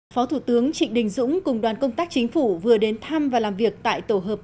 phó thủ tướng trịnh đình dũng cùng đoàn công tác chính phủ vừa đến thăm và làm việc tại tổ hợp